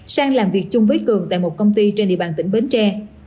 sang làm việc chung với cường tại một công ty trên địa bàn tỉnh bến tre